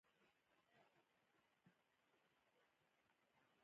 په افغانستان کې د سیلاني ځایونو تاریخ ډېر اوږد دی.